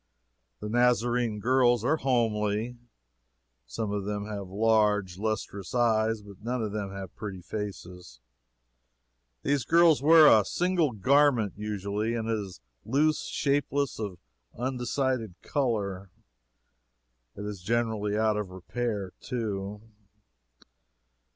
The Nazarene girls are homely. Some of them have large, lustrous eyes, but none of them have pretty faces. These girls wear a single garment, usually, and it is loose, shapeless, of undecided color; it is generally out of repair, too.